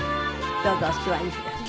どうぞお座りください。